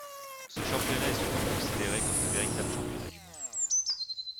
Ce championnat est souvent considéré comme le véritable championnat du monde.